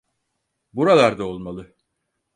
Buralarda olmalı.